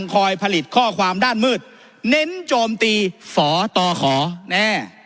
คอยผลิตข้อความด้านมืดเน้นโจมตีฝตขอแน่